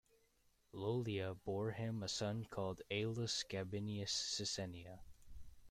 Lollia bore him a son called Aulus Gabinius Sisenna.